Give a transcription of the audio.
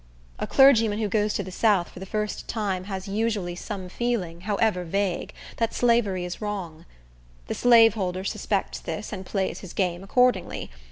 A clergyman who goes to the south, for the first time, has usually some feeling, however vague, that slavery is wrong. The slaveholder suspects this, and plays his game accordingly.